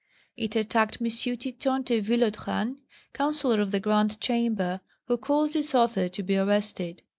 It attacked M. Titon de Villotran, counsellor of the Grand Chamber, who caused its author to be arrested.